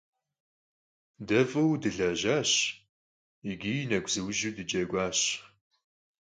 De f'ıue dılejaş yiç'i neguzıuju dıceguaş.